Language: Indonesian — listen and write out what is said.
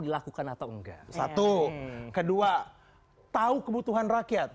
dilakukan atau enggak satu kedua tahu kebutuhan rakyat